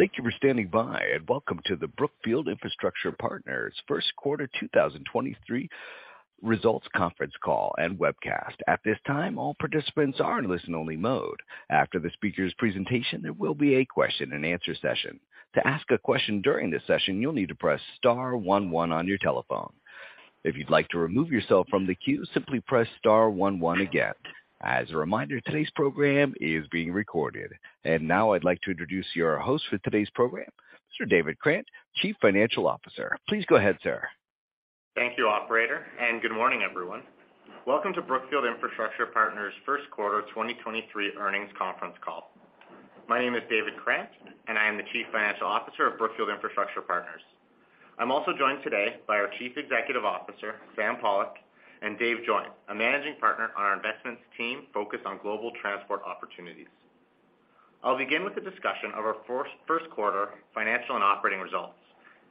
Thank you for standing by, welcome to the Brookfield Infrastructure Partners First Quarter 2023 Results Conference Call and Webcast. At this time, all participants are in listen-only mode. After the speaker's presentation, there will be a question-and-answer session. To ask a question during this session, you'll need to press star one one on your telephone. If you'd like to remove yourself from the queue, simply press star one one again. As a reminder, today's program is being recorded. Now I'd like to introduce your host for today's program, Mr. David Krant, Chief Financial Officer. Please go ahead, sir. Thank you, operator. Good morning, everyone. Welcome to Brookfield Infrastructure Partners first quarter 2023 earnings conference call. My name is David Krant, I am the Chief Financial Officer of Brookfield Infrastructure Partners. I'm also joined today by our Chief Executive Officer, Sam Pollock, and Dave Joynt, a Managing Partner on our investments team focused on global transport opportunities. I'll begin with a discussion of our first quarter financial and operating results,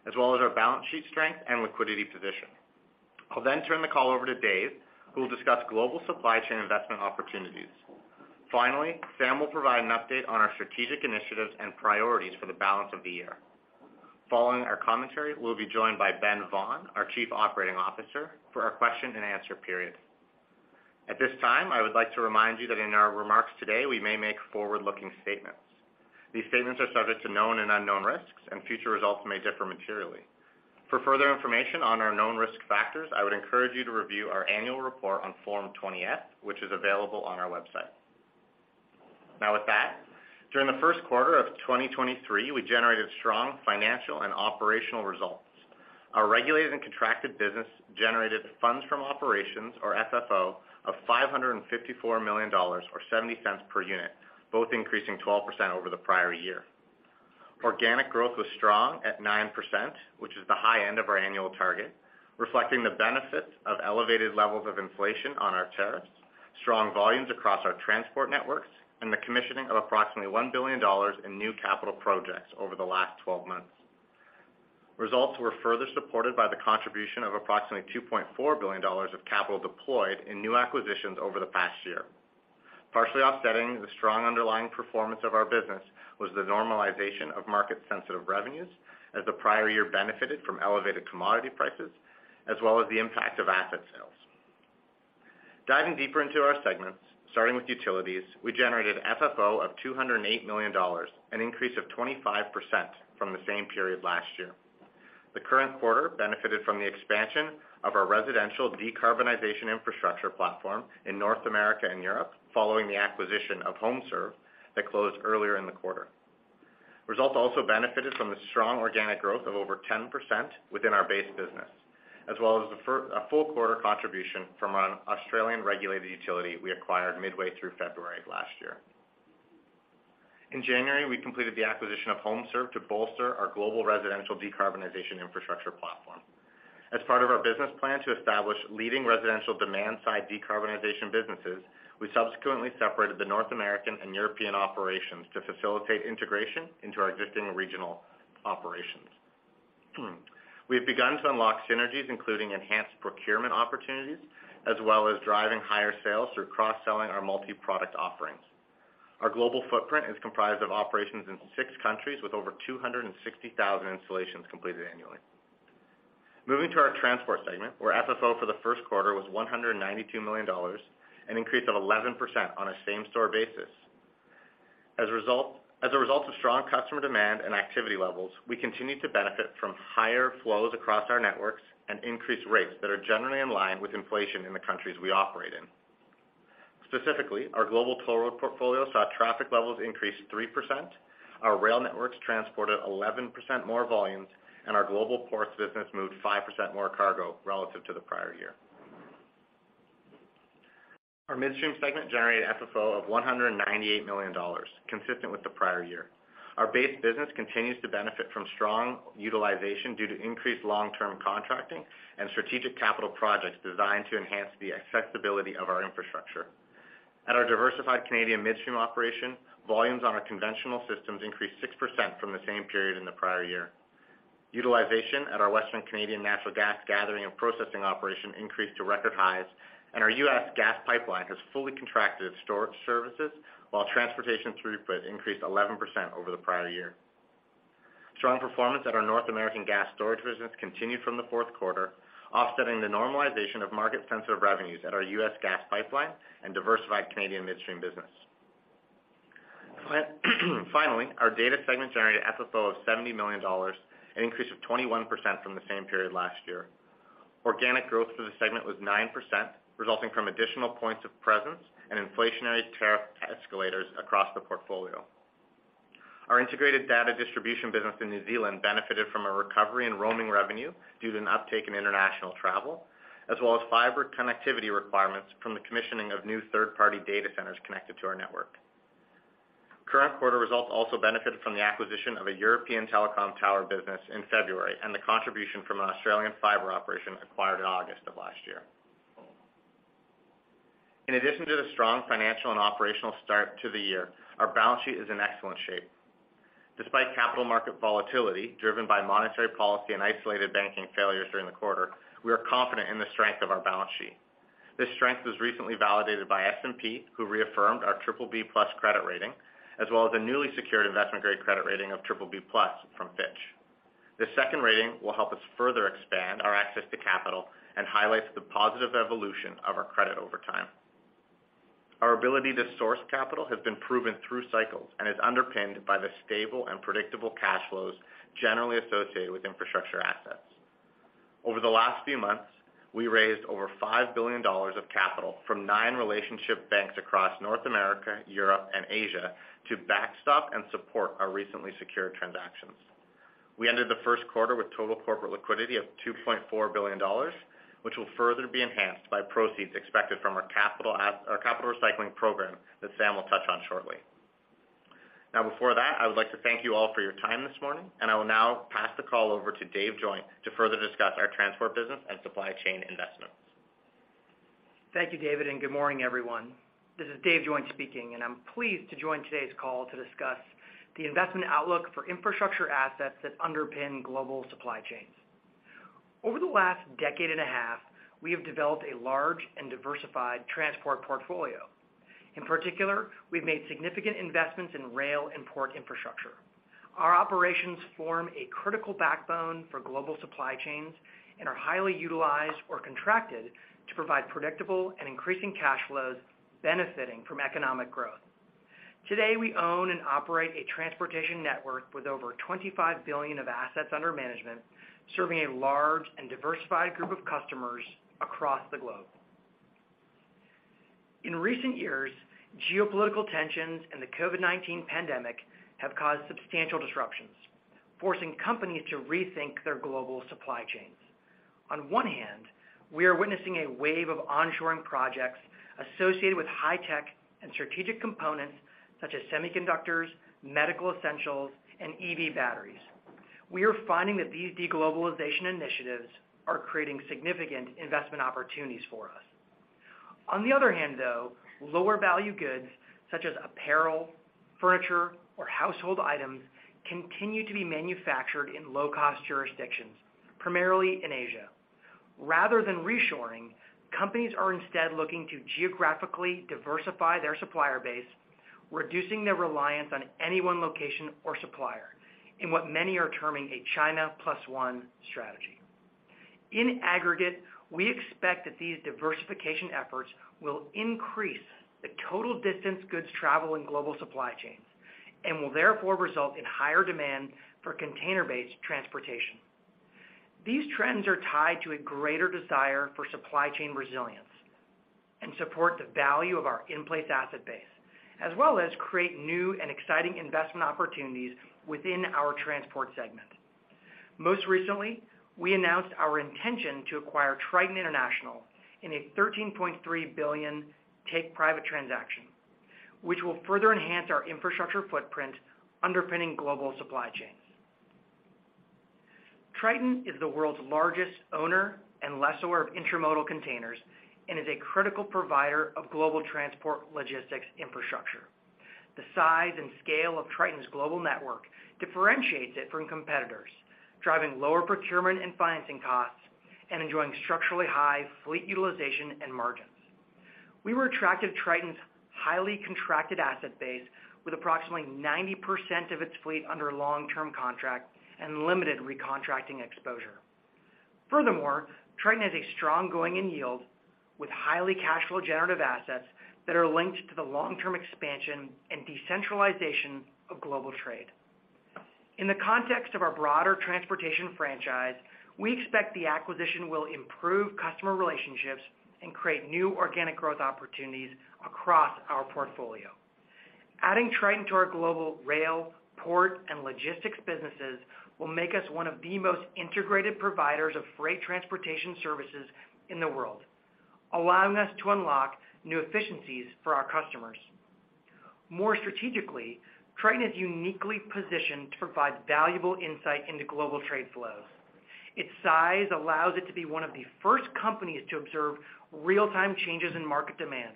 as well as our balance sheet strength and liquidity position. I'll turn the call over to Dave, who will discuss global supply chain investment opportunities. Finally, Sam will provide an update on our strategic initiatives and priorities for the balance of the year. Following our commentary, we'll be joined by Ben Vaughan, our Chief Operating Officer, for our question and answer period. At this time, I would like to remind you that in our remarks today we may make forward-looking statements. These statements are subject to known and unknown risks, and future results may differ materially. For further information on our known risk factors, I would encourage you to review our annual report on Form 20-F, which is available on our website. With that, during the first quarter of 2023, we generated strong financial and operational results. Our regulated and contracted business generated funds from operations or FFO of $554 million or $0.70 per unit, both increasing 12% over the prior year. Organic growth was strong at 9%, which is the high end of our annual target, reflecting the benefits of elevated levels of inflation on our tariffs, strong volumes across our transport networks, and the commissioning of approximately $1 billion in new capital projects over the last 12 months. Results were further supported by the contribution of approximately $2.4 billion of capital deployed in new acquisitions over the past year. Partially offsetting the strong underlying performance of our business was the normalization of market sensitive revenues as the prior year benefited from elevated commodity prices as well as the impact of asset sales. Diving deeper into our segments, starting with utilities, we generated FFO of $208 million, an increase of 25% from the same period last year. The current quarter benefited from the expansion of our residential decarbonization infrastructure platform in North America and Europe following the acquisition of HomeServe that closed earlier in the quarter. Results also benefited from the strong organic growth of over 10% within our base business, as well as a full quarter contribution from an Australian regulated utility we acquired midway through February of last year. In January, we completed the acquisition of HomeServe to bolster our global residential decarbonization infrastructure platform. As part of our business plan to establish leading residential demand-side decarbonization businesses, we subsequently separated the North American and European operations to facilitate integration into our existing regional operations. We have begun to unlock synergies including enhanced procurement opportunities as well as driving higher sales through cross-selling our multi-product offerings. Our global footprint is comprised of operations in six countries with over 260,000 installations completed annually. Moving to our transport segment, where FFO for the first quarter was $192 million, an increase of 11% on a same store basis. As a result of strong customer demand and activity levels, we continue to benefit from higher flows across our networks and increased rates that are generally in line with inflation in the countries we operate in. Specifically, our global toll road portfolio saw traffic levels increase 3%, our rail networks transported 11% more volumes, and our global ports business moved 5% more cargo relative to the prior year. Our midstream segment generated FFO of $198 million, consistent with the prior year. Our base business continues to benefit from strong utilization due to increased long-term contracting and strategic capital projects designed to enhance the accessibility of our infrastructure. At our diversified Canadian midstream operation, volumes on our conventional systems increased 6% from the same period in the prior year. Utilization at our western Canadian natural gas gathering and processing operation increased to record highs. Our U.S. gas pipeline has fully contracted storage services while transportation throughput increased 11% over the prior year. Strong performance at our North American gas storage business continued from the fourth quarter, offsetting the normalization of market sensitive revenues at our U.S. gas pipeline and diversified Canadian midstream business. Our data segment generated FFO of $70 million, an increase of 21% from the same period last year. Organic growth for the segment was 9%, resulting from additional points of presence and inflationary tariff escalators across the portfolio. Our integrated data distribution business in New Zealand benefited from a recovery in roaming revenue due to an uptick in international travel, as well as fiber connectivity requirements from the commissioning of new third-party data centers connected to our network. Current quarter results also benefited from the acquisition of a European telecom tower business in February and the contribution from an Australian fiber operation acquired in August of last year. In addition to the strong financial and operational start to the year, our balance sheet is in excellent shape. Despite capital market volatility driven by monetary policy and isolated banking failures during the quarter, we are confident in the strength of our balance sheet. This strength was recently validated by S&P, who reaffirmed our BBB+ credit rating, as well as a newly secured investment-grade credit rating of BBB+ from Fitch. This second rating will help us further expand our access to capital and highlights the positive evolution of our credit over time. Our ability to source capital has been proven through cycles and is underpinned by the stable and predictable cash flows generally associated with infrastructure assets. Over the last few months, we raised over $5 billion of capital from nine relationship banks across North America, Europe, and Asia to backstop and support our recently secured transactions. We ended the first quarter with total corporate liquidity of $2.4 billion, which will further be enhanced by proceeds expected from our capital recycling program that Sam will touch on shortly. Now, before that, I would like to thank you all for your time this morning, and I will now pass the call over to Dave Joynt to further discuss our transport business and supply chain investments. Thank you, David. Good morning, everyone. This is Dave Joynt speaking, and I'm pleased to join today's call to discuss the investment outlook for infrastructure assets that underpin global supply chains. Over the last decade and a half, we have developed a large and diversified transport portfolio. In particular, we've made significant investments in rail and port infrastructure. Our operations form a critical backbone for global supply chains and are highly utilized or contracted to provide predictable and increasing cash flows benefiting from economic growth. Today, we own and operate a transportation network with over $25 billion of assets under management, serving a large and diversified group of customers across the globe. In recent years, geopolitical tensions and the COVID-19 pandemic have caused substantial disruptions, forcing companies to rethink their global supply chains. On one hand, we are witnessing a wave of onshoring projects associated with high-tech and strategic components such as semiconductors, medical essentials, and EV batteries. We are finding that these de-globalization initiatives are creating significant investment opportunities for us. On the other hand, though, lower value goods such as apparel, furniture, or household items continue to be manufactured in low-cost jurisdictions, primarily in Asia. Rather than reshoring, companies are instead looking to geographically diversify their supplier base, reducing their reliance on any one location or supplier in what many are terming a China Plus One strategy. In aggregate, we expect that these diversification efforts will increase the total distance goods travel in global supply chains and will therefore result in higher demand for container-based transportation. These trends are tied to a greater desire for supply chain resilience and support the value of our in-place asset base, as well as create new and exciting investment opportunities within our transport segment. Most recently, we announced our intention to acquire Triton International in a $13.3 billion take-private transaction, which will further enhance our infrastructure footprint underpinning global supply chains. Triton is the world's largest owner and lessor of intermodal containers and is a critical provider of global transport logistics infrastructure. The size and scale of Triton's global network differentiates it from competitors, driving lower procurement and financing costs and enjoying structurally high fleet utilization and margins. We were attracted to Triton's highly contracted asset base with approximately 90% of its fleet under long-term contract and limited recontracting exposure. Triton has a strong going-in yield with highly cash flow generative assets that are linked to the long-term expansion and decentralization of global trade. In the context of our broader transportation franchise, we expect the acquisition will improve customer relationships and create new organic growth opportunities across our portfolio. Adding Triton to our global rail, port, and logistics businesses will make us one of the most integrated providers of freight transportation services in the world, allowing us to unlock new efficiencies for our customers. More strategically, Triton is uniquely positioned to provide valuable insight into global trade flows. Its size allows it to be one of the first companies to observe real-time changes in market demand,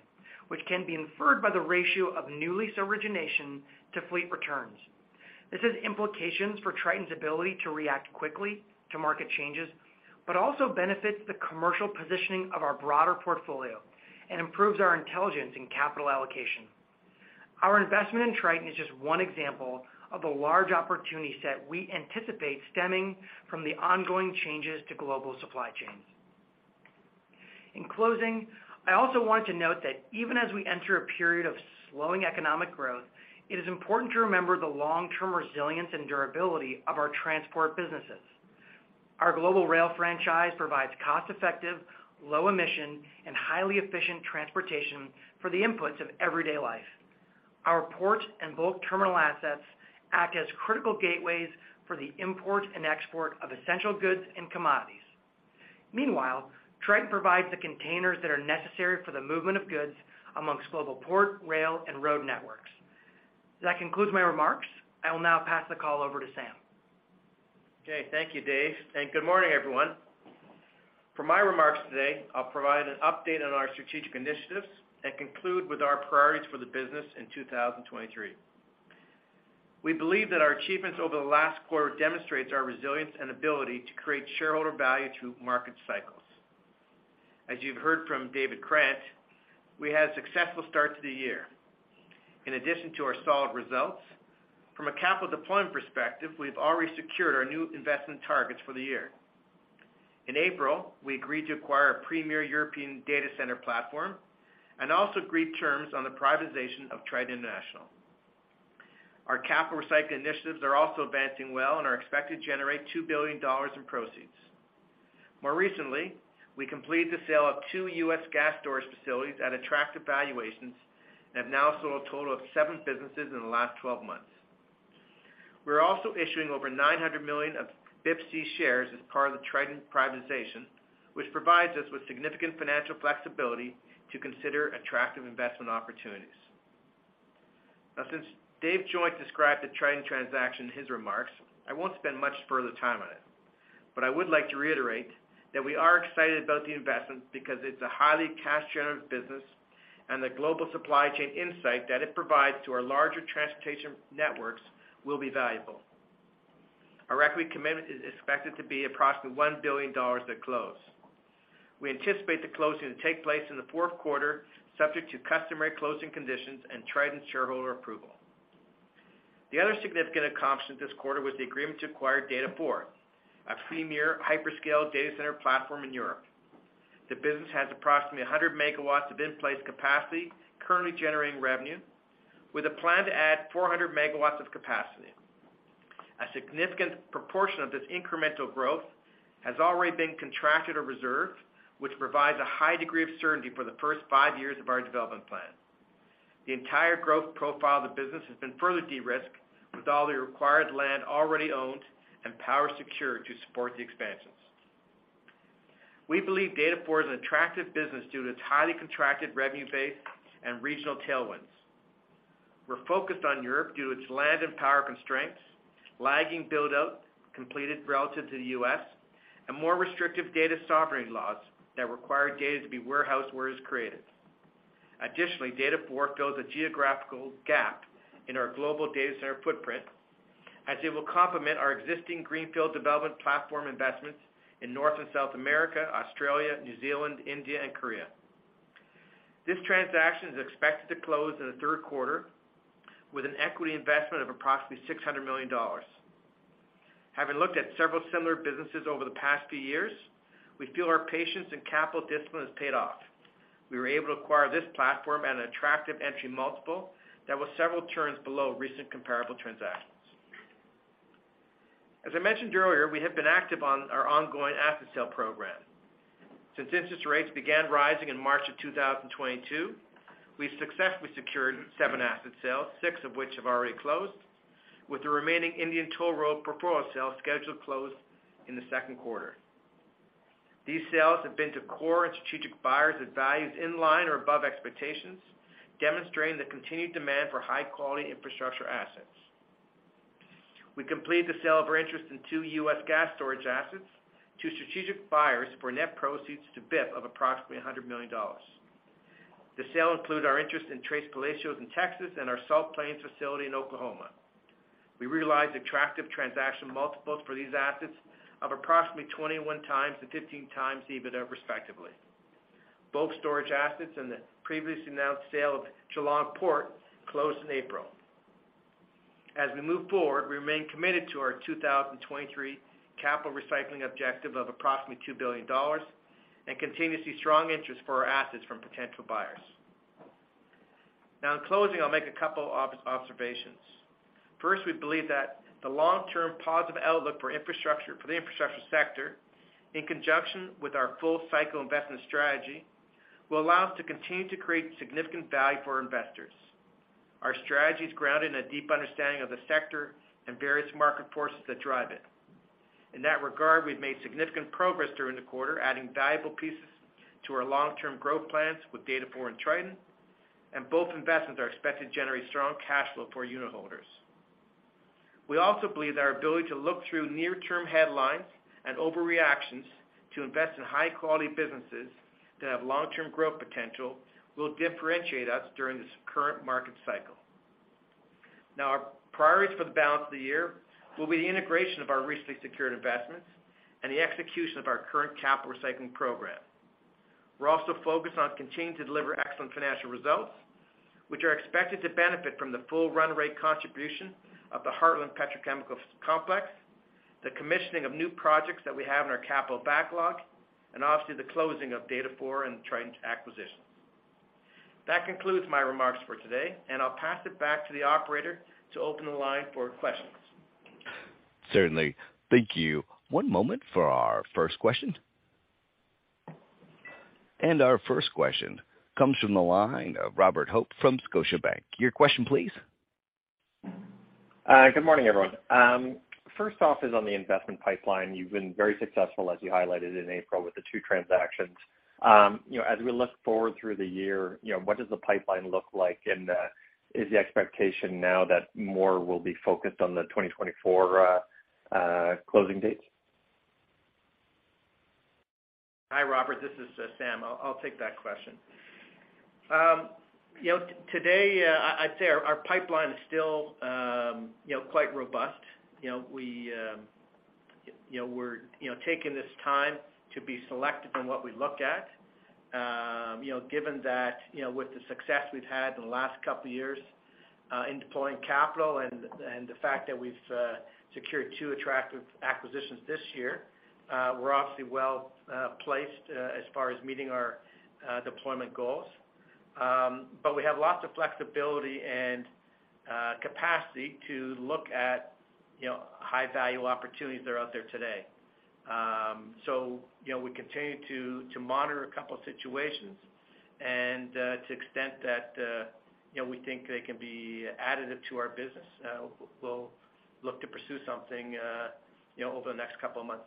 which can be inferred by the ratio of new lease origination to fleet returns. This has implications for Triton's ability to react quickly to market changes, but also benefits the commercial positioning of our broader portfolio and improves our intelligence in capital allocation. Our investment in Triton is just one example of the large opportunity set we anticipate stemming from the ongoing changes to global supply chains. In closing, I also wanted to note that even as we enter a period of slowing economic growth, it is important to remember the long-term resilience and durability of our transport businesses. Our global rail franchise provides cost-effective, low emission, and highly efficient transportation for the inputs of everyday life. Our port and bulk terminal assets act as critical gateways for the import and export of essential goods and commodities. Meanwhile, Triton provides the containers that are necessary for the movement of goods amongst global port, rail, and road networks. That concludes my remarks. I will now pass the call over to Sam. Okay. Thank you, Dave. Good morning, everyone. For my remarks today, I'll provide an update on our strategic initiatives and conclude with our priorities for the business in 2023. We believe that our achievements over the last quarter demonstrates our resilience and ability to create shareholder value through market cycles. As you've heard from David Krant, we had a successful start to the year. In addition to our solid results, from a capital deployment perspective, we've already secured our new investment targets for the year. In April, we agreed to acquire a premier European data center platform and also agreed terms on the privatization of Triton International. Our capital recycling initiatives are also advancing well and are expected to generate $2 billion in proceeds. More recently, we completed the sale of two U.S. gas storage facilities at attractive valuations and have now sold a total of seven businesses in the last 12 months. We're also issuing over $900 million of BIPC's shares as part of the Triton privatization, which provides us with significant financial flexibility to consider attractive investment opportunities. Since Dave Joynt described the Triton transaction in his remarks, I won't spend much further time on it. I would like to reiterate that we are excited about the investment because it's a highly cash generative business, and the global supply chain insight that it provides to our larger transportation networks will be valuable. Our equity commitment is expected to be approximately $1 billion at close. We anticipate the closing to take place in the fourth quarter, subject to customary closing conditions and Triton shareholder approval. The other significant accomplishment this quarter was the agreement to acquire Data4, a premier hyperscale data center platform in Europe. The business has approximately 100 MW of in-place capacity currently generating revenue, with a plan to add 400 MW of capacity. A significant proportion of this incremental growth has already been contracted or reserved, which provides a high degree of certainty for the first five years of our development plan. The entire growth profile of the business has been further de-risked, with all the required land already owned and power secured to support the expansions. We believe Data4 is an attractive business due to its highly contracted revenue base and regional tailwinds. We're focused on Europe due to its land and power constraints, lagging build-out completed relative to the U.S., and more restrictive data sovereignty laws that require data to be warehoused where it is created. Additionally, Data4 fills a geographical gap in our global data center footprint, as it will complement our existing greenfield development platform investments in North and South America, Australia, New Zealand, India and Korea. This transaction is expected to close in the third quarter with an equity investment of approximately $600 million. Having looked at several similar businesses over the past few years, we feel our patience and capital discipline has paid off. We were able to acquire this platform at an attractive entry multiple that was several turns below recent comparable transactions. As I mentioned earlier, we have been active on our ongoing asset sale program. Since interest rates began rising in March of 2022, we've successfully secured seven asset sales, six of which have already closed, with the remaining Indian toll road portfolio sale scheduled to close in the second quarter. These sales have been to core and strategic buyers at values in line or above expectations, demonstrating the continued demand for high-quality infrastructure assets. We completed the sale of our interest in two U.S. gas storage assets to strategic buyers for net proceeds to BIP of approximately $100 million. The sale included our interest in Tres Palacios in Texas and our Salt Plains facility in Oklahoma. We realized attractive transaction multiples for these assets of approximately 21x-15x EBITDA, respectively. Both storage assets and the previously announced sale of GeelongPort closed in April. We move forward, we remain committed to our 2023 capital recycling objective of approximately $2 billion and continue to see strong interest for our assets from potential buyers. In closing, I'll make a couple observations. First, we believe that the long-term positive outlook for the infrastructure sector, in conjunction with our full cycle investment strategy, will allow us to continue to create significant value for our investors. Our strategy is grounded in a deep understanding of the sector and various market forces that drive it. In that regard, we've made significant progress during the quarter, adding valuable pieces to our long-term growth plans with Data4 and Triton, and both investments are expected to generate strong cash flow for our unitholders. We also believe that our ability to look through near-term headlines and overreactions to invest in high-quality businesses that have long-term growth potential will differentiate us during this current market cycle. Now, our priorities for the balance of the year will be the integration of our recently secured investments and the execution of our current capital recycling program. We're also focused on continuing to deliver excellent financial results, which are expected to benefit from the full run rate contribution of the Heartland Petrochemical Complex, the commissioning of new projects that we have in our capital backlog, and obviously the closing of Data4 and Triton acquisitions. That concludes my remarks for today, and I'll pass it back to the operator to open the line for questions. Certainly. Thank you. One moment for our first question. Our first question comes from the line of Robert Hope from Scotiabank. Your question, please. Good morning, everyone. First off is on the investment pipeline. You've been very successful, as you highlighted in April, with the two transactions. You know, as we look forward through the year, you know, what does the pipeline look like? Is the expectation now that more will be focused on the 2024 closing dates? Robert, this is Sam. I'll take that question. You know, today, I'd say our pipeline is still, you know, quite robust. You know, we, you know, we're, you know, taking this time to be selective in what we look at. You know, given that, you know, with the success we've had in the last couple years, in deploying capital and the fact that we've secured two attractive acquisitions this year, we're obviously well placed as far as meeting our deployment goals. We have lots of flexibility and capacity to look at, you know, high value opportunities that are out there today. You know, we continue to monitor a couple situations and, to extent that, you know, we think they can be additive to our business, we'll look to pursue something, you know, over the next couple of months.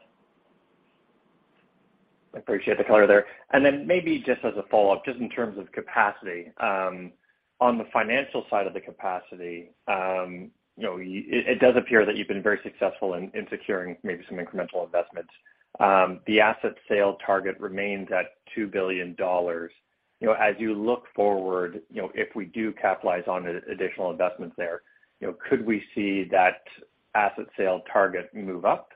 I appreciate the color there. Maybe just as a follow-up, just in terms of capacity, on the financial side of the capacity, you know, it does appear that you've been very successful in securing maybe some incremental investments. The asset sale target remains at $2 billion. You know, as you look forward, you know, if we do capitalize on additional investments there, you know, could we see that asset sale target move up?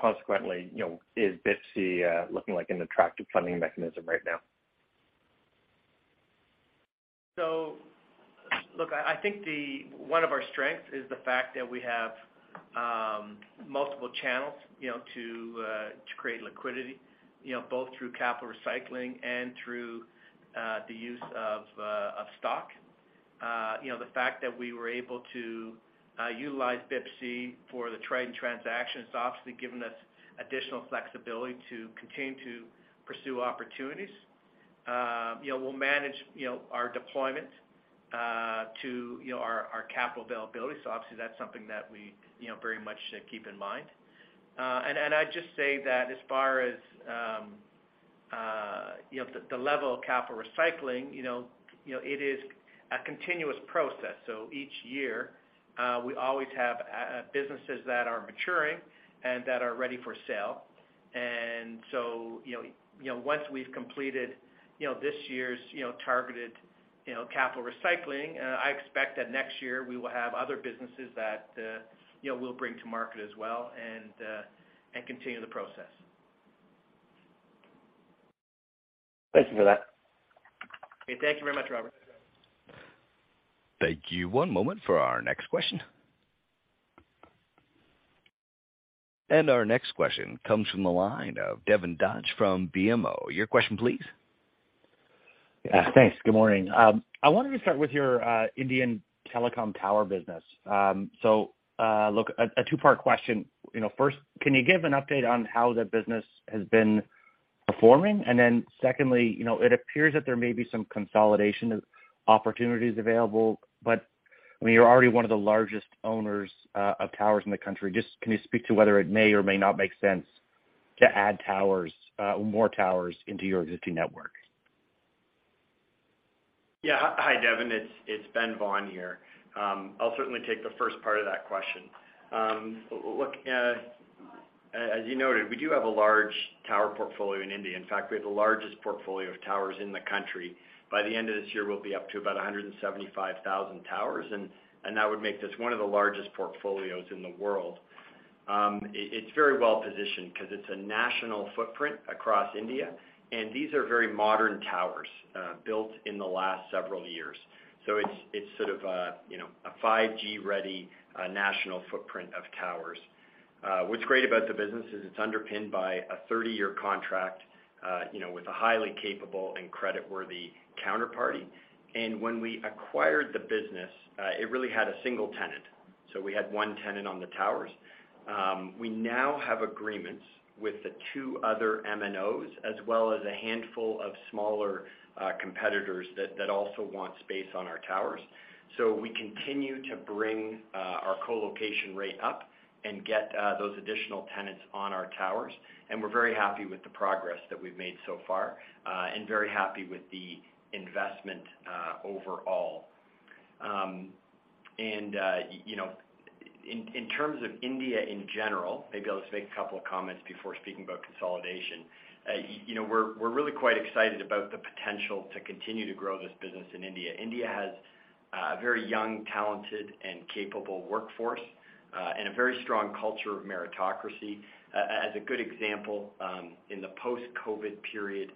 Consequently, you know, is BIPC looking like an attractive funding mechanism right now? Look, I think one of our strengths is the fact that we have multiple channels, you know, to create liquidity, you know, both through capital recycling and through the use of stock. You know, the fact that we were able to utilize BIPC for the trade and transaction, it's obviously given us additional flexibility to continue to pursue opportunities. You know, we'll manage, you know, our deployment to, you know, our capital availability. Obviously that's something that we, you know, very much keep in mind. I'd just say that as far as, you know, the level of capital recycling, you know, it is a continuous process. Each year, we always have businesses that are maturing and that are ready for sale. You know, once we've completed, you know, this year's, you know, targeted, you know, capital recycling, I expect that next year we will have other businesses that, you know, we'll bring to market as well and continue the process. Thank you for that. Okay. Thank you very much, Robert. Thank you. One moment for our next question. Our next question comes from the line of Devin Dodge from BMO. Your question, please. Yeah. Thanks. Good morning. I wanted to start with your Indian telecom tower business. Look, a two-part question. You know, first, can you give an update on how the business has been performing? Secondly, you know, it appears that there may be some consolidation of opportunities available, but I mean, you're already one of the largest owners of towers in the country. Just can you speak to whether it may or may not make sense to add towers, more towers into your existing network? Hi, Devin, it's Ben Vaughan here. I'll certainly take the first part of that question. Look, as you noted, we do have a large tower portfolio in India. In fact, we have the largest portfolio of towers in the country. By the end of this year, we'll be up to about 175,000 towers, and that would make this one of the largest portfolios in the world. It's very well positioned 'cause it's a national footprint across India, and these are very modern towers, built in the last several years. So it's sort of a, you know, a 5G ready, national footprint of towers. What's great about the business is it's underpinned by a 30-year contract, you know, with a highly capable and creditworthy counterparty. When we acquired the business, it really had a single tenant, so we had one tenant on the towers. We now have agreements with the two other MNOs, as well as a handful of smaller competitors that also want space on our towers. We continue to bring our co-location rate up and get those additional tenants on our towers. We're very happy with the progress that we've made so far, and very happy with the investment overall. You know, in terms of India in general, maybe I'll just make a couple of comments before speaking about consolidation. You know, we're really quite excited about the potential to continue to grow this business in India. India has a very young, talented and capable workforce, and a very strong culture of meritocracy. As a good example, in the post-COVID period,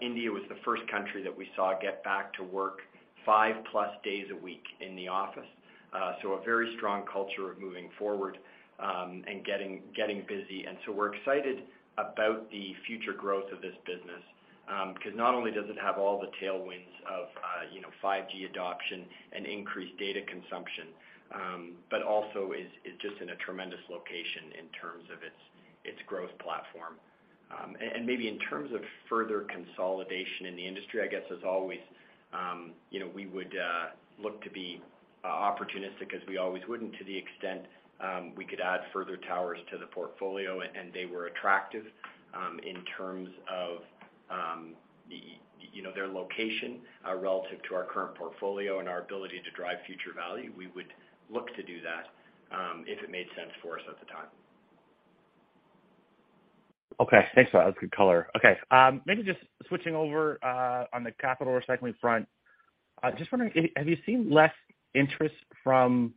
India was the first country that we saw get back to work 5-plus days a week in the office. A very strong culture of moving forward, and getting busy. We're excited about the future growth of this business, 'cause not only does it have all the tailwinds of, you know, 5G adoption and increased data consumption, but also is just in a tremendous location in terms of its growth platform. Maybe in terms of further consolidation in the industry, I guess as always, you know, we would look to be opportunistic as we always would and to the extent we could add further towers to the portfolio and they were attractive in terms of you know, their location relative to our current portfolio and our ability to drive future value, we would look to do that if it made sense for us at the time. Okay. Thanks for that. That's good color. Okay. Maybe just switching over on the capital recycling front. Just wondering, have you seen less interest from,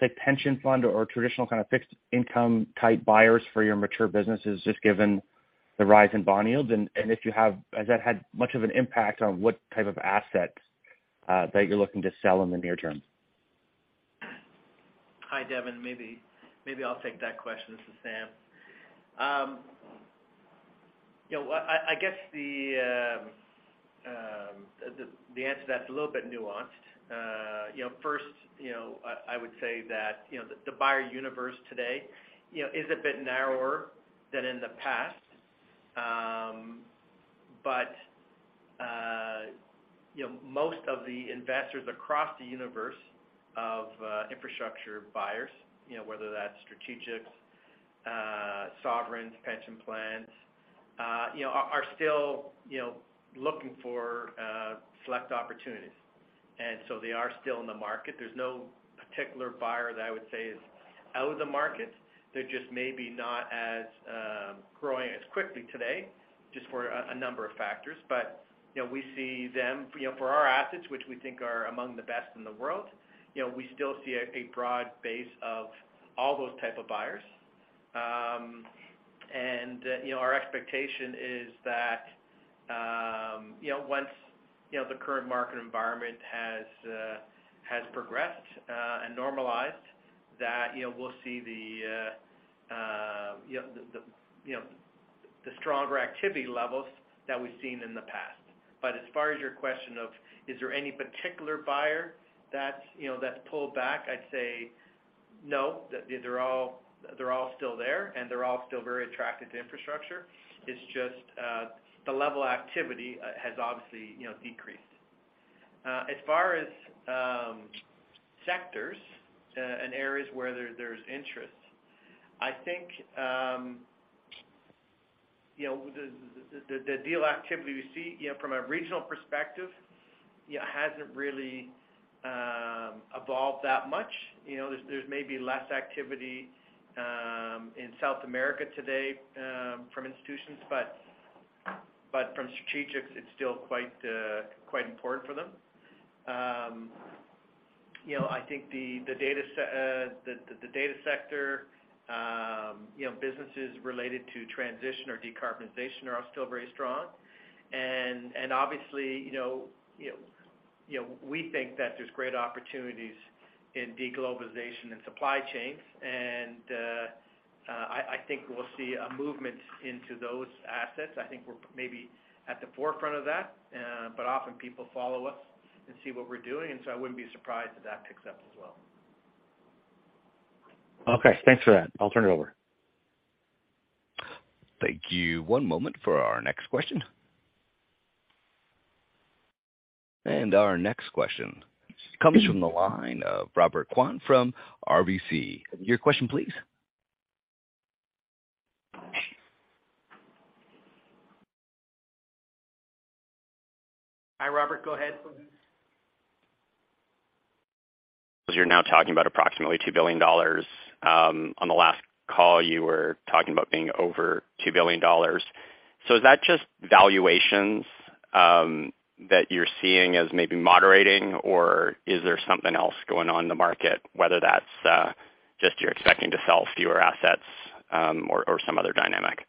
say, pension fund or traditional kind of fixed income type buyers for your mature businesses just given the rise in bond yields? If you have, has that had much of an impact on what type of assets that you're looking to sell in the near term? Hi, Devin. Maybe I'll take that question. This is Sam. You know, I guess the answer to that's a little bit nuanced. You know, first, you know, I would say that, you know, the buyer universe today, you know, is a bit narrower than in the past. But most of the investors across the universe of infrastructure buyers, you know, whether that's strategic, sovereigns, pension plans are still, you know, looking for select opportunities. So they are still in the market. There's no particular buyer that I would say is out of the market. They're just maybe not as growing as quickly today, just for a number of factors. You know, we see them, you know, for our assets, which we think are among the best in the world, you know, we still see a broad base of all those type of buyers. And, you know, our expectation is that once the current market environment has progressed and normalized, that, you know, we'll see the, you know, the stronger activity levels that we've seen in the past. As far as your question of is there any particular buyer that's, you know, that's pulled back, I'd say no. They're all still there, and they're all still very attracted to infrastructure. It's just, the level of activity, has obviously, you know, decreased. As far as sectors and areas where there's interest, I think, you know, the data sector, you know, businesses related to transition or decarbonization are all still very strong. And obviously, you know, we think that there's great opportunities in de-globalization and supply chains. I think we'll see a movement into those assets. I think we're maybe at the forefront of that. Often people follow us and see what we're doing, and so I wouldn't be surprised if that picks up as well. Okay, thanks for that. I'll turn it over. Thank you. One moment for our next question. Our next question comes from the line of Robert Kwan from RBC. Your question please. Hi, Robert. Go ahead. You're now talking about approximately $2 billion. On the last call, you were talking about being over $2 billion. Is that just valuations that you're seeing as maybe moderating, or is there something else going on in the market, whether that's just you're expecting to sell fewer assets, or some other dynamic?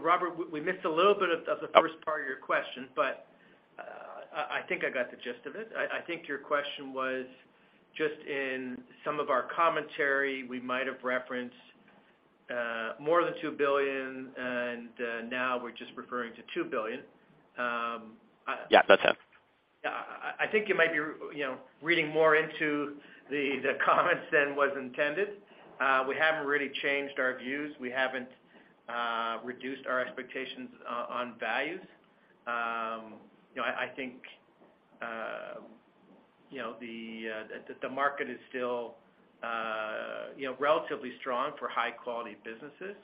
Robert, we missed a little bit of the first part of your question, but I think I got the gist of it. I think your question was just in some of our commentary, we might have referenced more than $2 billion, and now we're just referring to $2 billion. Yeah, that's it. Yeah. I think you might be you know, reading more into the comments than was intended. We haven't really changed our views. We haven't reduced our expectations on values. You know, I think, you know, the market is still, you know, relatively strong for high-quality businesses.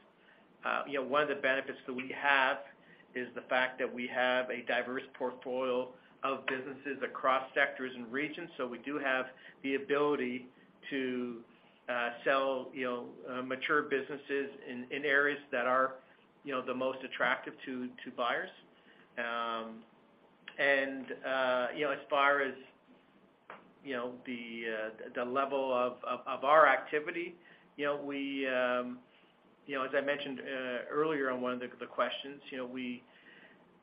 You know, one of the benefits that we have is the fact that we have a diverse portfolio of businesses across sectors and regions. We do have the ability to sell, you know, mature businesses in areas that are, you know, the most attractive to buyers. The level of our activity, as I mentioned earlier on one of the, the questions, you know, we,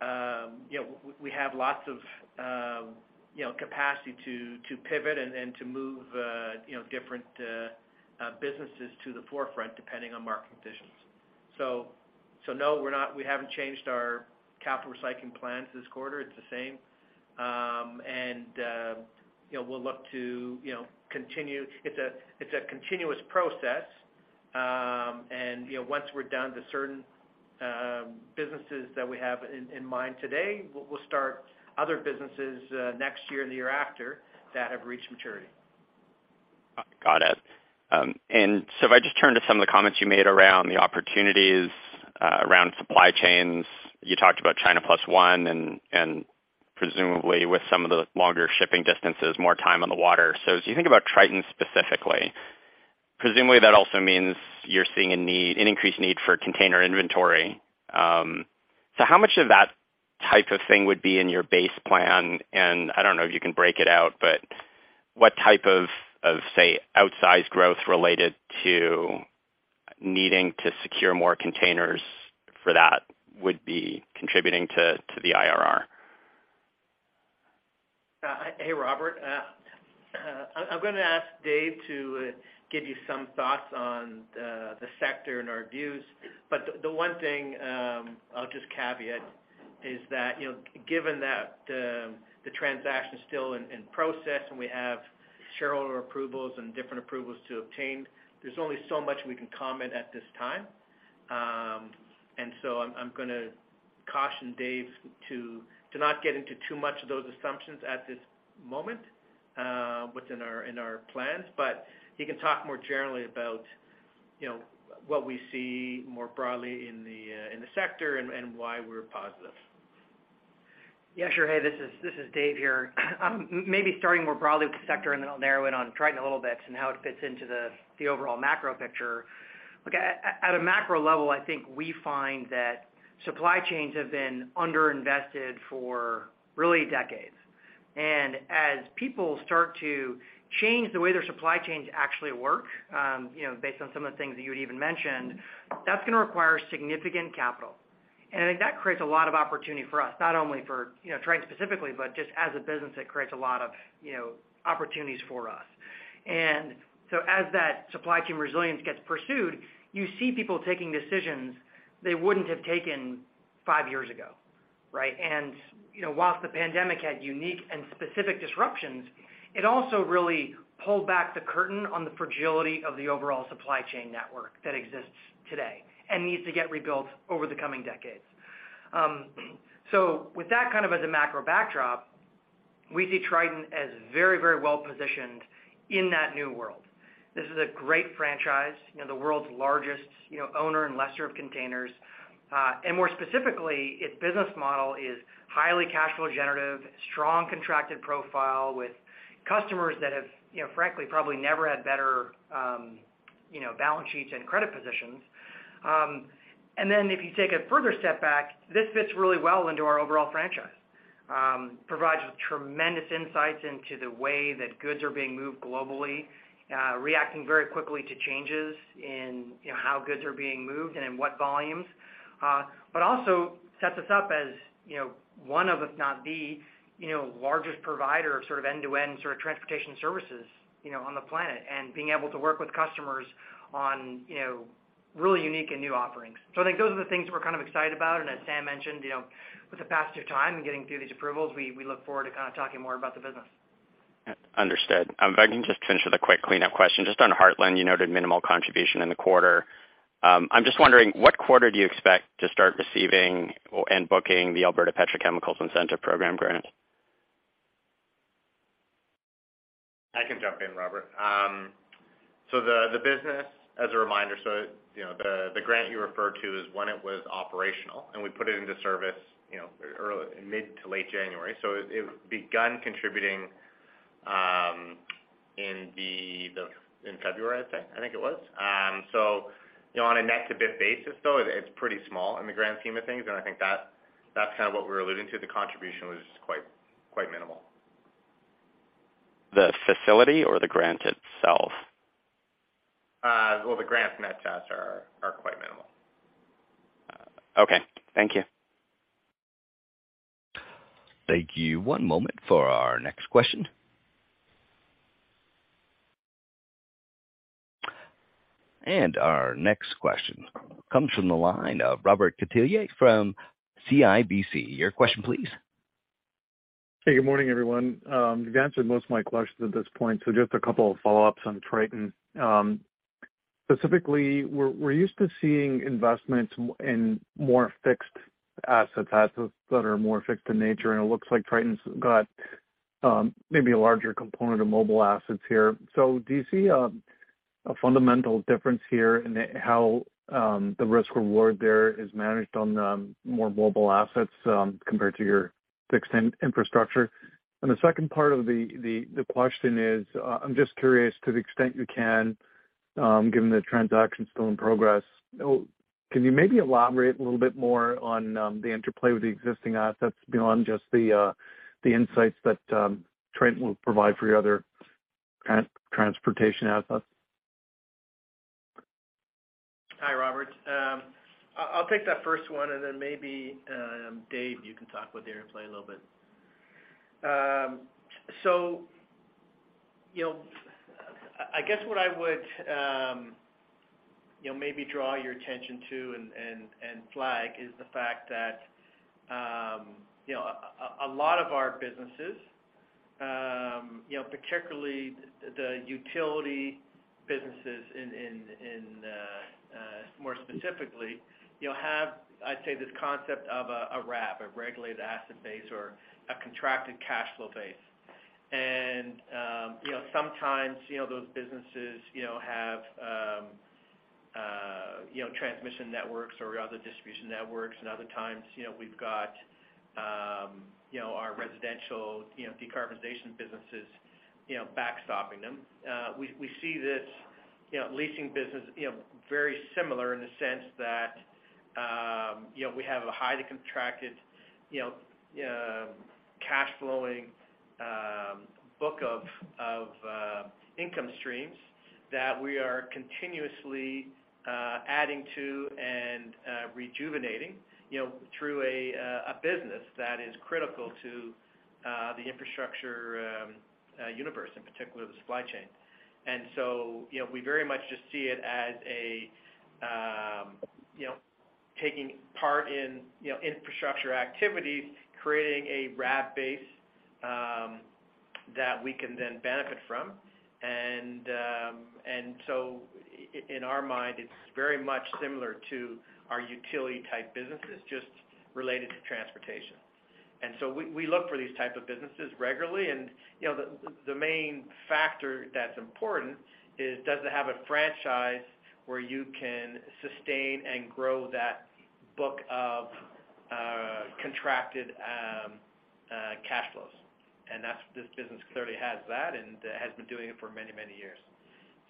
um, you know, w-we have lots of, um, you know, capacity to, to pivot and, and to move, uh, you know, different, uh, uh, businesses to the forefront depending on market conditions. So, so no, we're not-- we haven't changed our capital recycling plans this quarter. It's the same. Um, and, uh, you know, we'll look to, you know, continue. It's a, it's a continuous process. Um, and, you know, once we're done to certain, um, businesses that we have in, in mind today, w-we'll start other businesses, uh, next year and the year after that have reached maturity. Got it. If I just turn to some of the comments you made around the opportunities, around supply chains, you talked about China Plus One and presumably with some of the longer shipping distances, more time on the water. As you think about Triton specifically, presumably that also means you're seeing an increased need for container inventory. How much of that type of thing would be in your base plan? I don't know if you can break it out, but what type of, say, outsized growth related to needing to secure more containers for that would be contributing to the IRR? Hey, Robert. I'm gonna ask Dave to give you some thoughts on the sector and our views. The one thing I'll just caveat is that, you know, given that the transaction is still in process and we have shareholder approvals and different approvals to obtain, there's only so much we can comment at this time. I'm gonna caution Dave to not get into too much of those assumptions at this moment, within our plans. He can talk more generally about, you know, what we see more broadly in the sector and why we're positive. Yeah, sure. Hey, this is Dave here. Maybe starting more broadly with the sector, then I'll narrow in on Triton a little bit and how it fits into the overall macro picture. Look, at a macro level, I think we find that supply chains have been underinvested for really decades. As people start to change the way their supply chains actually work, you know, based on some of the things that you would even mention, that's gonna require significant capital. I think that creates a lot of opportunity for us, not only for, you know, Triton specifically, but just as a business, it creates a lot of, you know, opportunities for us. So as that supply chain resilience gets pursued, you see people taking decisions they wouldn't have taken five years ago, right? You know, whilst the pandemic had unique and specific disruptions, it also really pulled back the curtain on the fragility of the overall supply chain network that exists today and needs to get rebuilt over the coming decades. With that kind of as a macro backdrop, we see Triton as very, very well-positioned in that new world. This is a great franchise the world's largest owner and lessor of containers. More specifically, its business model is highly cash flow generative, strong contracted profile with customers that have, you know, frankly, probably never had better balance sheets and credit positions. If you take a further step back, this fits really well into our overall franchise. Provides tremendous insights into the way that goods are being moved globally, reacting very quickly to changes in, you know, how goods are being moved and in what volumes. Also sets us up as, you know, one of, if not the, you know, largest provider of sort of end-to-end sort of transportation services, you know, on the planet and being able to work with customers on, you know, really unique and new offerings. I think those are the things we're kind of excited about. As Sam mentioned with the passage of time and getting through these approvals, we look forward to kind of talking more about the business. Understood. If I can just finish with a quick cleanup question just on Heartland, you noted minimal contribution in the quarter. I'm just wondering what quarter do you expect to start receiving and booking the Alberta Petrochemicals Incentive Program grant? I can jump in, Robert. The business as a reminder the grant you referred to is when it was operational, and we put it into service mid to late January. It begun contributing in February, I'd say. I think it was. You know, on a net-to-BIP basis, though, it's pretty small in the grand scheme of things. I think that's kind of what we're alluding to. The contribution was quite minimal. The facility or the grant itself? The grants net to us are quite minimal. Okay. Thank you. Thank you. One moment for our next question. Our next question comes from the line of Robert Catellier from CIBC. Your question, please. Hey, good morning, everyone. You've answered most of my questions at this point, so just a couple of follow-ups on Triton. Specifically, we're used to seeing investments in more fixed assets that are more fixed in nature, and it looks like Triton's got maybe a larger component of mobile assets here. Do you see a fundamental difference here in how the risk reward there is managed on the more mobile assets compared to your fixed infrastructure? The second part of the question is, I'm just curious to the extent you can, given the transaction still in progress, can you maybe elaborate a little bit more on the interplay with the existing assets beyond just the insights that Triton will provide for your other transportation assets? Hi, Robert. I'll take that first one, and then maybe Dave, you can talk with the interplay a little bit. You know, I guess what I would, you know, maybe draw your attention to and, and flag is the fact that, you know, a lot of our businesses, you know, particularly the utility businesses in, more specifically, you'll have, I'd say, this concept of a RAB, a regulated asset base or a contracted cash flow base. You know, sometimes, you know, those businesses, you know, have, you know, transmission networks or other distribution networks, and other times, you know, we've got, you know, our residential, you know, decarbonization businesses, you know, backstopping them. We see this, you know, leasing business, you know, very similar in the sense that, you know, we have a highly contracted, you know, cash flowing book of income streams that we are continuously adding to and rejuvenating, you know, through a business that is critical to the infrastructure universe, in particular the supply chain. You know, we very much just see it as a, you know, taking part in, you know, infrastructure activities, creating a RAB base that we can then benefit from. In our mind, it's very much similar to our utility type businesses, just related to transportation. We look for these type of businesses regularly and, you know, the main factor that's important is does it have a franchise where you can sustain and grow that book of contracted cash flows? This business clearly has that and has been doing it for many, many years.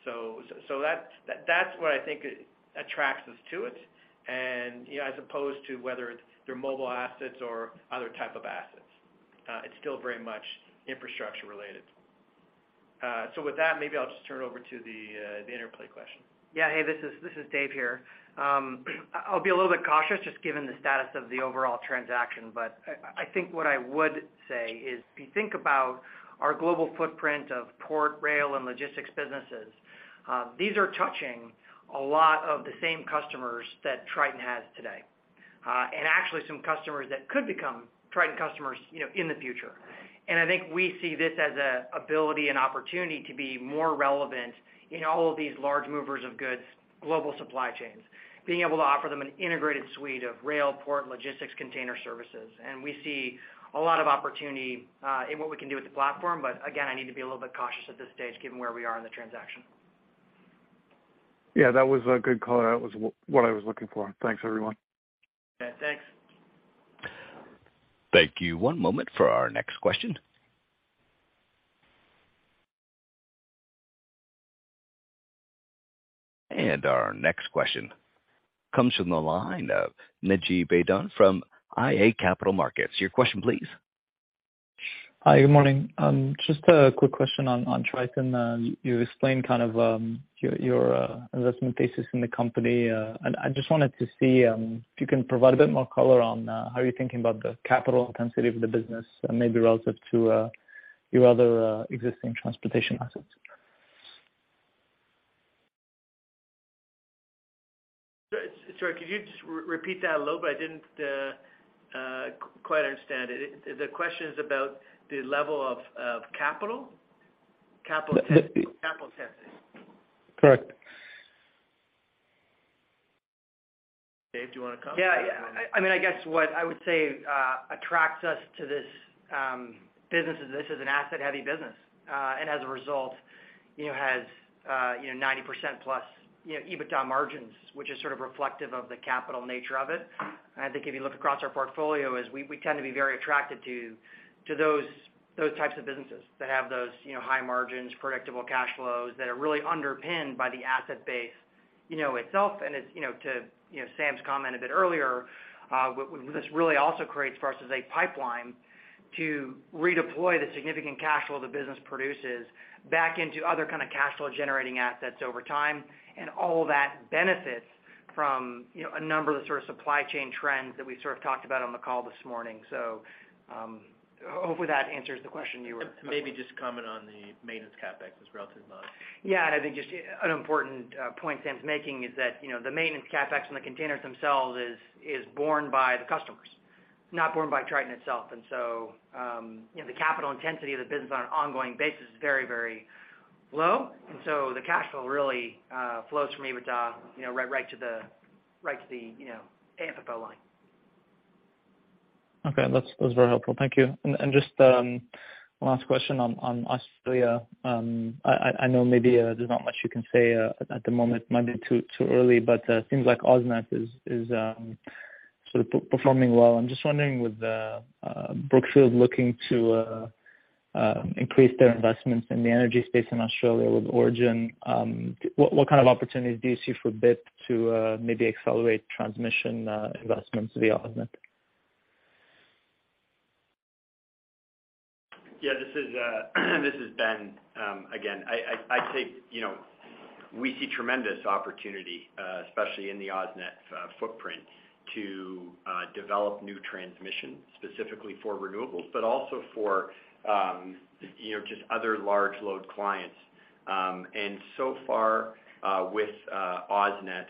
That's what I think attracts us to it. You know, as opposed to whether they're mobile assets or other type of assets. It's still very much infrastructure related. With that, maybe I'll just turn it over to the Interplay question. Yeah. Hey, this is Dave here. I'll be a little bit cautious just given the status of the overall transaction, but I think what I would say is, if you think about our global footprint of port, rail, and logistics businesses, these are touching a lot of the same customers that Triton has today. Actually some customers that could become Triton customers, you know, in the future. I think we see this as a ability and opportunity to be more relevant in all of these large movers of goods, global supply chains. Being able to offer them an integrated suite of rail, port, logistics, container services. We see a lot of opportunity in what we can do with the platform. Again, I need to be a little bit cautious at this stage, given where we are in the transaction. Yeah, that was a good call out, was what I was looking for. Thanks, everyone. Yeah, thanks. Thank you. One moment for our next question. Our next question comes from the line of Naji Baydoun from iA Capital Markets. Your question please. Hi, good morning. Just a quick question on Triton. You explained kind of, your investment thesis in the company. I just wanted to see, if you can provide a bit more color on, how you're thinking about the capital intensity of the business, maybe relative to, your other, existing transportation assets. Sorry, could you just repeat that a little bit? I didn't quite understand it. The question is about the level of capital? Capital intensity? Correct. Dave, do you wanna comment? Yeah. I mean, I guess what I would say attracts us to this business is this is an asset-heavy business. As a result, you know, has, you know, 90%+ EBITDA margins, which is sort of reflective of the capital nature of it. I think if you look across our portfolio is we tend to be very attracted to those types of businesses that have those, you know, high margins, predictable cash flows that are really underpinned by the asset base, you know, itself. It's, you know, to, you know, Sam's comment a bit earlier, what this really also creates for us is a pipeline to redeploy the significant cash flow the business produces back into other kind of cash flow generating assets over time, and all that benefits from, you know, a number of the sort of supply chain trends that we sort of talked about on the call this morning. Hopefully that answers the question you were. Maybe just comment on the maintenance CapEx as relative margin. Yeah. I think just an important point Sam's making is that, you know, the maintenance CapEx on the containers themselves is borne by the customers, not borne by Triton itself. The capital intensity of the business on an ongoing basis is very, very low. The cash flow really flows from EBITDA, you know, right to the, you know, AFFO line. Okay. That's very helpful. Thank you. Just one last question on Australia. I know maybe there's not much you can say at the moment. Might be too early, but it seems like AusNet is performing well. I'm just wondering with Brookfield looking to increase their investments in the energy space in Australia with Origin, what kind of opportunities do you see for BIP to maybe accelerate transmission investments via AusNet? This is Ben. Again, I'd say, you know, we see tremendous opportunity, especially in the AusNet footprint to develop new transmission specifically for renewables, but also for, you know, just other large load clients. So far, with AusNet,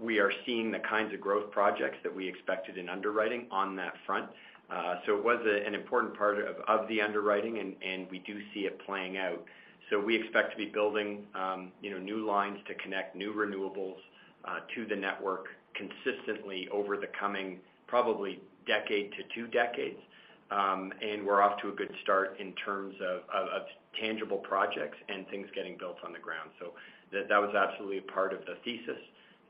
we are seeing the kinds of growth projects that we expected in underwriting on that front. It was an important part of the underwriting, and we do see it playing out. We expect to be building, you know, new lines to connect new renewables to the network consistently over the coming probably decade to two decades. We're off to a good start in terms of tangible projects and things getting built on the ground. That was absolutely a part of the thesis,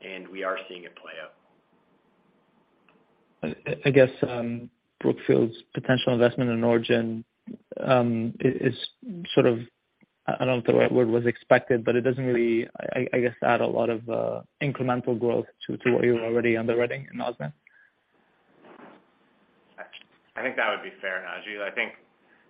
and we are seeing it play out. I guess, Brookfield's potential investment in Origin, is sort of, I don't know if the right word was expected, but it doesn't really, I guess, add a lot of incremental growth to what you're already underwriting in AusNet. I think that would be fair, Ajit. I think,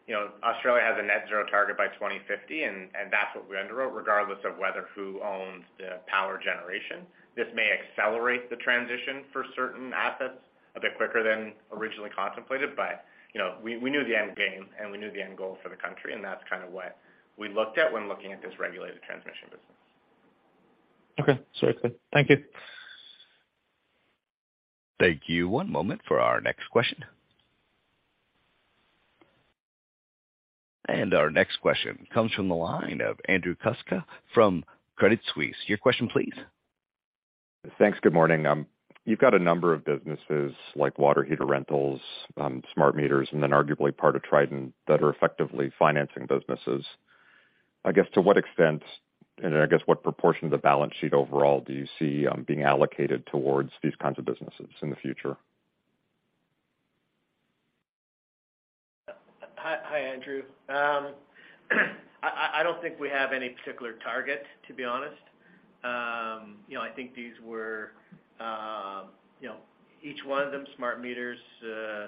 you know, Australia has a net zero target by 2050, and that's what we underwrote, regardless of whether who owns the power generation. This may accelerate the transition for certain assets a bit quicker than originally contemplated. You know, we knew the end game and we knew the end goal for the country, and that's kind of what we looked at when looking at this regulated transmission business. Okay. Sounds good. Thank you. Thank you. One moment for our next question. Our next question comes from the line of Andrew Kuske from Credit Suisse. Your question please. Thanks. Good morning. You've got a number of businesses like water heater rentals, smart meters, and then arguably part of Triton that are effectively financing businesses. I guess, to what extent, and I guess what proportion of the balance sheet overall do you see being allocated towards these kinds of businesses in the future? Hi, hi Andrew. I don't think we have any particular target, to be honest. You know, I think these were, you know, each one of them smart meters, the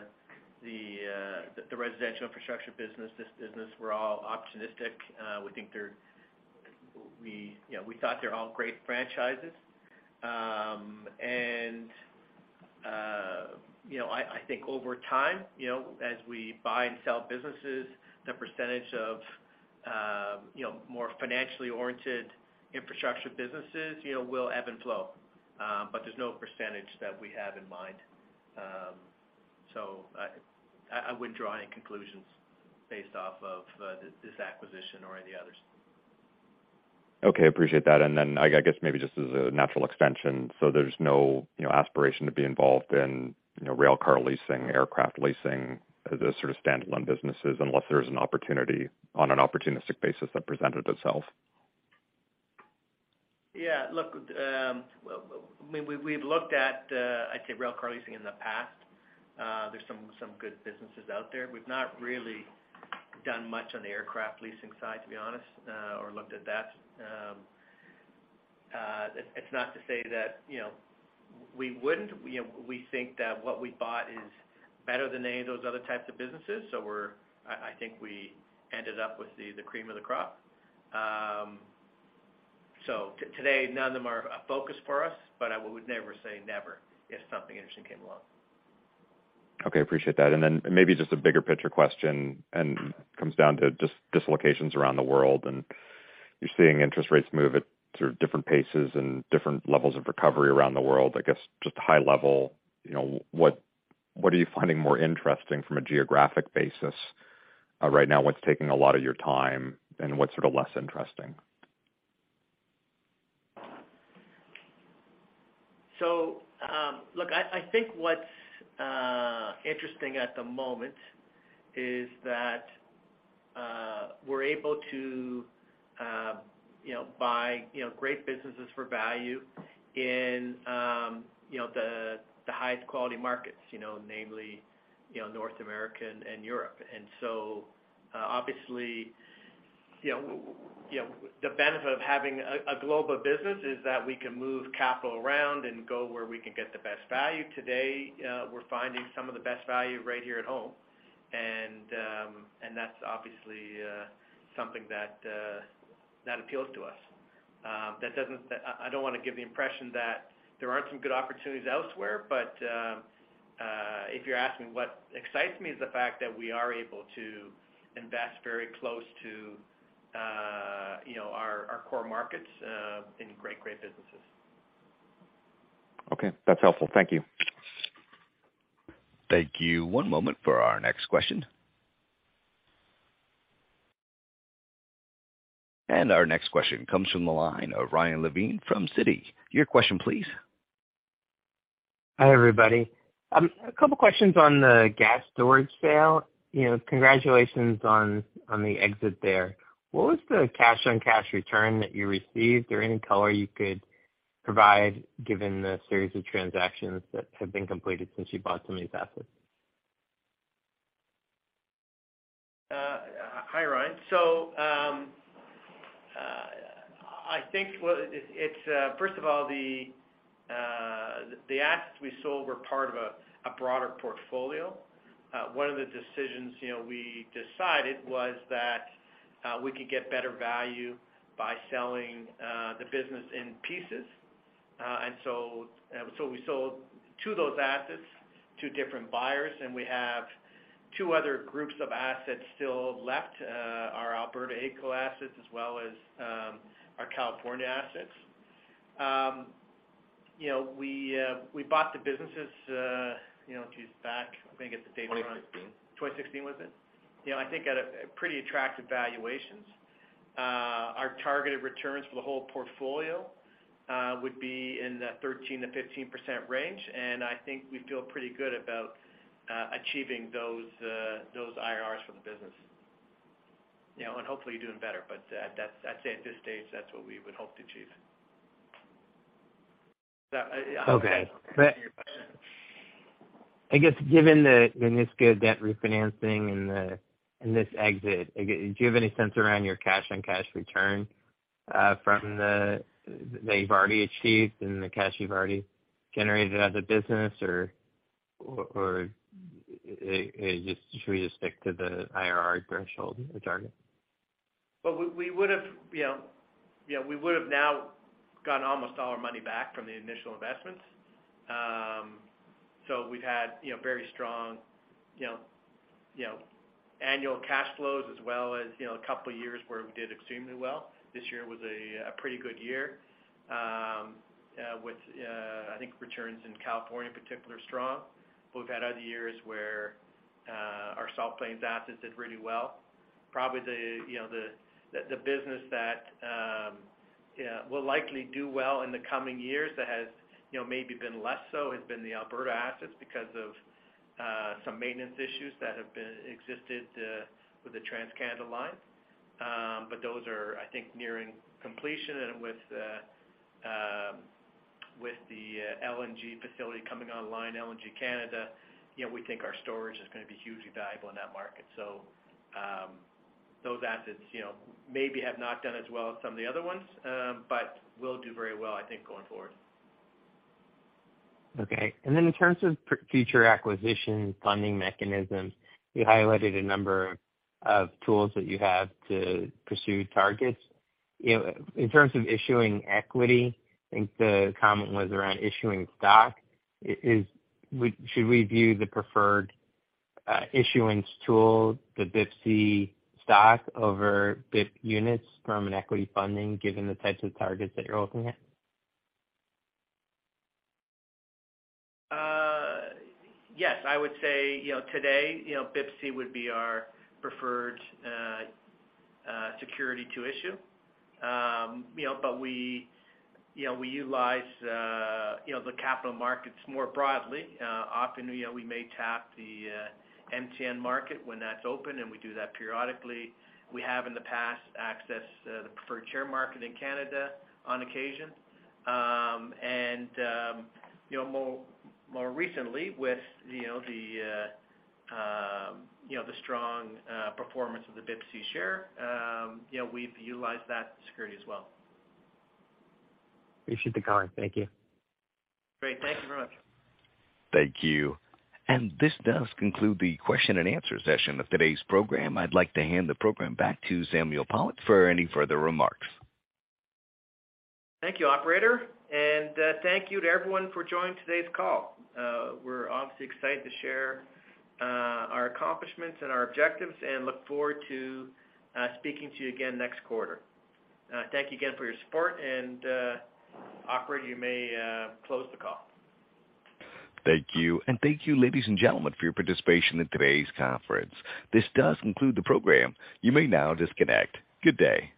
residential infrastructure business, this business, we're all opportunistic. We, you know, we thought they're all great franchises. I, you know, I think over time, you know, as we buy and sell businesses, the percentage of, you know, more financially oriented infrastructure businesses, you know, will ebb and flow. There's no percentage that we have in mind. I wouldn't draw any conclusions based off of this acquisition or any others. Okay. Appreciate that. I guess maybe just as a natural extension, there's no aspiration to be involved in, you know, railcar leasing, aircraft leasing as a sort of standalone businesses unless there's an opportunity on an opportunistic basis that presented itself. Yeah. Look, I mean, we've looked at, I'd say railcar leasing in the past. There's some good businesses out there. We've not really done much on the aircraft leasing side, to be honest, or looked at that. It's not to say that, you know, we wouldn't. You know, we think that what we bought is better than any of those other types of businesses. I think we ended up with the cream of the crop. Today, none of them are a focus for us, but I would never say never if something interesting came along. Okay. Appreciate that. Maybe just a bigger picture question and comes down to just dislocations around the world, and you're seeing interest rates move at sort of different paces and different levels of recovery around the world. I guess just high level, you know, what are you finding more interesting from a geographic basis? Right now, what's taking a lot of your time, and what's sort of less interesting? So I think what's interesting at the moment is that we're able to buy great businesses for value in, you know, the highest quality markets, you know, namely, you know, North America and Europe. Obviously, you know, the benefit of having a global business is that we can move capital around and go where we can get the best value. Today, we're finding some of the best value right here at home. That's obviously something that appeals to us. I don't wanna give the impression that there aren't some good opportunities elsewhere, but if you're asking what excites me is the fact that we are able to invest very close to, you know, our core markets, in great businesses. Okay. That's helpful. Thank you. Thank you. One moment for our next question. Our next question comes from the line of Ryan Levine from Citi. Your question please. Hi, everybody. A couple questions on the gas storage sale. You know, congratulations on the exit there. What was the cash-on-cash return that you received or any color you could provide given the series of transactions that have been completed since you bought some of these assets? Hi, Ryan. I think what it's. First of all, the assets we sold were part of a broader portfolio. One of the decisions, you know, we decided was that we could get better value by selling the business in pieces. We sold two of those assets to different buyers, and we have two other groups of assets still left, our Alberta AECO assets as well as our California assets. You know, we bought the businesses, you know, geez, back. I'm gonna get the date wrong. 2016. 2016, was it? You know, I think at a pretty attractive valuations. Our targeted returns for the whole portfolio would be in the 13%-15% range. I think we feel pretty good about achieving those IRRs for the business. You know, hopefully doing better. That's, I'd say at this stage, that's what we would hope to achieve. Yeah. Okay. I guess, given the Niska debt refinancing and the, and this exit, do you have any sense around your cash-on-cash return from the that you've already achieved and the cash you've already generated as a business or just should we just stick to the IRR threshold or target? Well, we would've, you know, we would've now gotten almost all our money back from the initial investments. We've had, you know, very strong, you know, annual cash flows as well as, you know, a couple years where we did extremely well. This year was a pretty good year with I think returns in California in particular, strong. We've had other years where our Salt Plains assets did really well. Probably the, you know, the business that will likely do well in the coming years that has, you know, maybe been less so, has been the Alberta assets because of some maintenance issues that have been existed with the TransCanada line. Those are, I think, nearing completion. With the LNG facility coming online, LNG Canada, you know, we think our storage is going to be hugely valuable in that market. Those assets, you know, maybe have not done as well as some of the other ones, but will do very well, I think, going forward. In terms of future acquisition funding mechanisms, you highlighted a number of tools that you have to pursue targets. You know, in terms of issuing equity, I think the comment was around issuing stock. Should we view the preferred issuance tool, the BIPC stock over BIP units from an equity funding, given the types of targets that you're looking at? Yes, I would say, you know, today, you know, BIPSIA would be our preferred security to issue. You know, but we, you know, we utilize, you know, the capital markets more broadly. Often, you know, we may tap the MTN market when that's open, and we do that periodically. We have in the past accessed the preferred share market in Canada on occasion. You know, more, more recently with, you know, the, you know, the strong performance of the BIPSIA share, you know, we've utilized that security as well. Appreciate the comment. Thank you. Great. Thank you very much. Thank you. This does conclude the question and answer session of today's program. I'd like to hand the program back to Samuel Pollock for any further remarks. Thank you, operator, and thank you to everyone for joining today's call. We're obviously excited to share our accomplishments and our objectives and look forward to speaking to you again next quarter. Thank you again for your support. Operator, you may close the call. Thank you. Thank you, ladies and gentlemen, for your participation in today's conference. This does conclude the program. You may now disconnect. Good day.